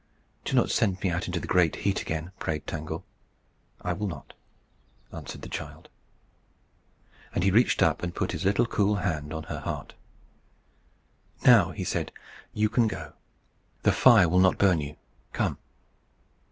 "Do not send me out into the great heat again," prayed Tangle. "I will not," answered the child. And he reached up, and put his little cool hand on her heart. "Now," he said, "you can go. The fire will not burn you. Come."